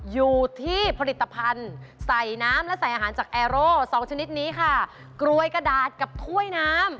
อยู่ที่ผลิตภัณฑ์ใส่น้ำและใส่อาหารจากแอร์โร่สองชนิดนี้ค่ะกรวยกระดาษกับถ้วยน้ำ